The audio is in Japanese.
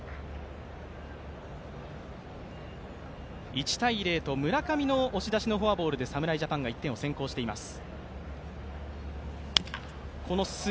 １−０と村上の押し出しのフォアボールで侍ジャパンが１点を先行しています